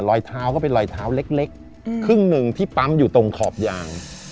รอยเท้าก็เป็นรอยเท้าเล็กครึ่งหนึ่งที่ปั๊มอยู่ตรงขอบยาง